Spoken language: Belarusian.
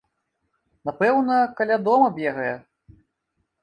Напэўна, каля дома бегае.